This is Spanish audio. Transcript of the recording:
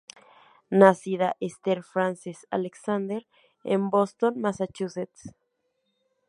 Nacida Esther Frances Alexander en Boston, Massachusetts.